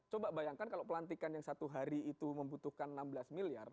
coba bayangkan kalau pelantikan yang satu hari itu membutuhkan enam belas miliar